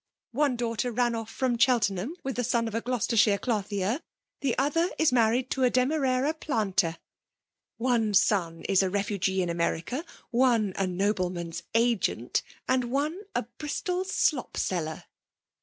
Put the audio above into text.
One daughter ran off from CheUenham with the son of a Gloucestershire clothier; the other is married to a Demerara planter* One son is a refugee in America, — one a noble man's agent, — and one a Bristol slopsdler.'